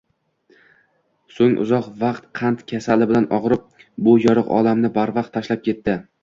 Soʻng uzoq vaqt qand kasali bilan ogʻrib, bu yorugʻ olamni barvaqt tashlab ketdi.